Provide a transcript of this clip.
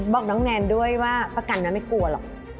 บอกน้องแนนด้วยว่าประกันนั้นไม่กลัวหรอก